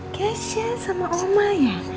kesya sama oma ya